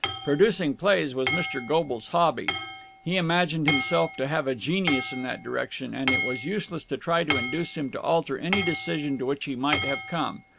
Producing plays was Mr. Goble's hobby. He imagined himself to have a genius in that direction, and it was useless to try to induce him to alter any decision to which he might have come.